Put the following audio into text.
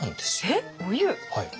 えっお湯？